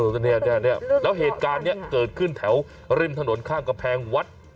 แล้วเนี่ยแล้วเหตุการณ์นี้เกิดขึ้นแถวริมถนนข้างกำแพงวัด